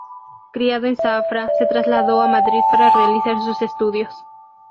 Criado en Zafra se trasladó a Madrid para realizar sus estudios.